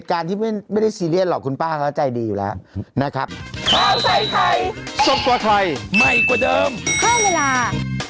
ไข่ไทยสดกว่าไทยใหม่กว่าเดิมเพิ่มเวลา